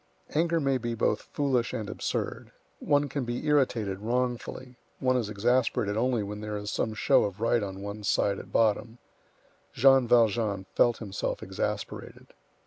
Anger may be both foolish and absurd; one can be irritated wrongfully; one is exasperated only when there is some show of right on one's side at bottom. Jean Valjean felt himself exasperated.